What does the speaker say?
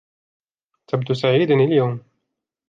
تبدو سعيدا اليوم.